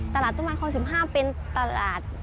ตลาดต้นไม้คลอง๑๕เป็นตลาด